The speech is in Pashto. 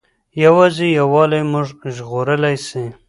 یوازې یووالی موږ ژغورلی سي.